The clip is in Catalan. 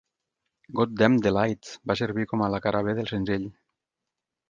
"Goddamn the Light" va servir com la cara b del senzill.